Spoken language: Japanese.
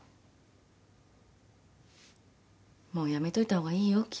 もうやめといた方がいいよ。